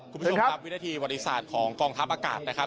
คุณผู้ชมครับวินาทีวัติศาสตร์ของกองทัพอากาศนะครับ